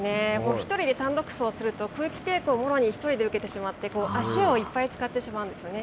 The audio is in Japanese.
１人で単独走すると空気抵抗をもろに１人で受けてしまって、足をいっぱい使ってしまうんですよね。